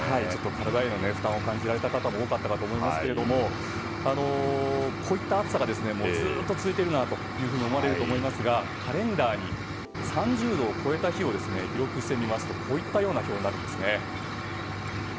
体への負担を感じられた方も多かったと思いますがこういった暑さがずっと続いていると思われると思いますがカレンダーに３０度を超えた日を記録してみますとこういったような表になります。